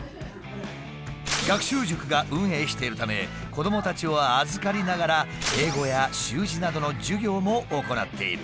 学習塾が運営しているため子どもたちを預かりながら英語や習字などの授業も行っている。